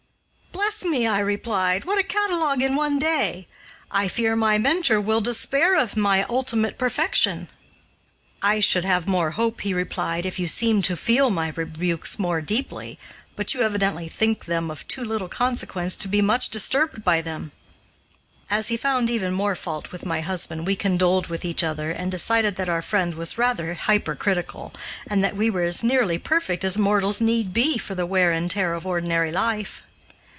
"Bless me!" I replied, "what a catalogue in one day! I fear my Mentor will despair of my ultimate perfection." "I should have more hope," he replied, "if you seemed to feel my rebukes more deeply, but you evidently think them of too little consequence to be much disturbed by them." As he found even more fault with my husband, we condoled with each other and decided that our friend was rather hypercritical and that we were as nearly perfect as mortals need be for the wear and tear of ordinary life.